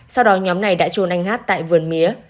sau đó nhóm này đã trôn anh hát tại vườn mía